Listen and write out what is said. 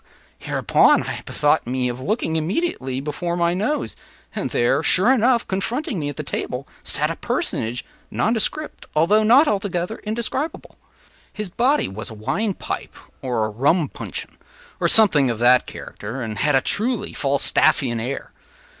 ” Hereupon I bethought me of looking immediately before my nose, and there, sure enough, confronting me at the table sat a personage nondescript, although not altogether indescribable. His body was a wine pipe, or a rum puncheon, or something of that character, and had a truly Falstaffian air.